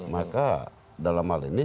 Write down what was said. maka dalam hal ini